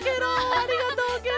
ありがとうケロ！